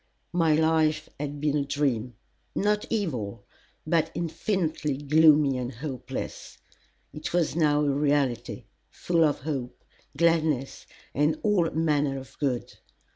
My life had been a dream, not evil, but infinitely gloomy and hopeless. It was now a reality, full of hope, gladness, and all manner of good.